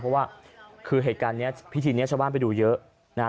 เพราะว่าคือเหตุการณ์นี้พิธีนี้ชาวบ้านไปดูเยอะนะครับ